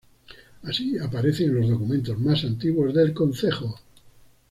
Así aparece en los documentos más antiguos del concejo